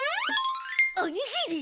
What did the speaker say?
おにぎり！